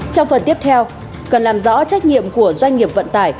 trong phần tiếp theo cần làm rõ trách nhiệm của doanh nghiệp vận tải